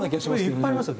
いっぱいありますよ